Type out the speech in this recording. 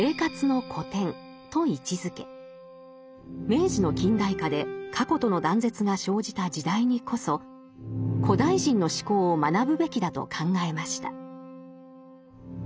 明治の近代化で過去との断絶が生じた時代にこそ古代人の思考を学ぶべきだと考えました。